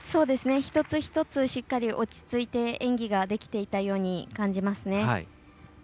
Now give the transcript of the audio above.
一つ一つしっかり落ち着いて演技ができていたように感じますね。